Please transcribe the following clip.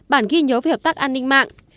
bản ghi nhớ về hợp tác an ninh mạng